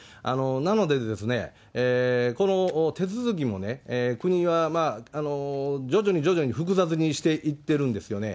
なので、この手続きもね、国は徐々に徐々に複雑にしていってるんですよね。